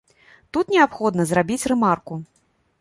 Тут неабходна зрабіць рэмарку.